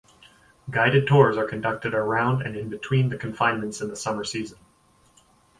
Guided tours are conducted around and in between the confinements in the summer season.